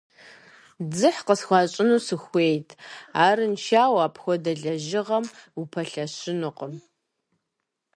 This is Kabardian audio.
Дзыхь къысхуащӏыну сыхуейт - арыншауэ апхуэдэ лэжьыгъэм упэлъэщынукъым.